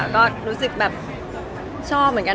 ก็รู้สึกแบบชอบเหมือนกัน